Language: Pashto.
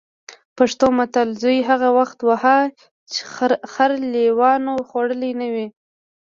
پښتو متل: زوی هغه وخت وهه چې خر لېوانو خوړلی نه وي.